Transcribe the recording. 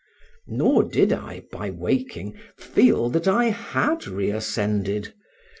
Nor did I, by waking, feel that I had reascended.